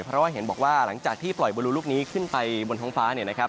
เพราะว่าเห็นบอกว่าหลังจากที่ปล่อยบรูลุกนี้ขึ้นไปบนท้องฟ้า